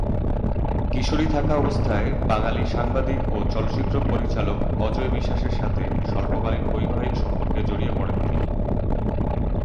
কিশোরী থাকাবস্থায় বাঙালী সাংবাদিক ও চলচ্চিত্র পরিচালক অজয় বিশ্বাসের সাথে স্বল্পকালীন বৈবাহিক সম্পর্কে জড়িয়ে পড়েন তিনি।